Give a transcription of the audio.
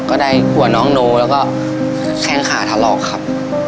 ก็ได้หัวน้องโนแล้วก็แข้งขาถลอกครับ